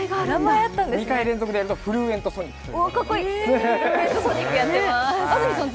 ２回連続でやるとフルーエントソニックです。